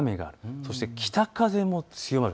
そして北風も強まる。